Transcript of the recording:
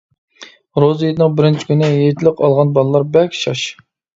روزا ھېيتنىڭ بىرىنچى كۈنى، ھېيتلىق ئالغان بالىلار بەك شاش.